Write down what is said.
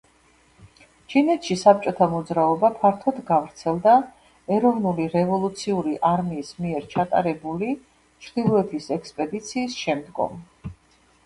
ჩინეთში საბჭოთა მოძრაობა ფართოდ გავრცელდა ეროვნული-რევოლუციური არმიის მიერ ჩატარებული ჩრდილოეთის ექსპედიციის შემდგომ.